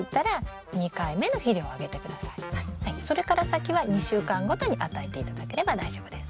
それから先は２週間ごとに与えて頂ければ大丈夫です。